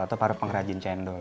atau para pengrajin cendol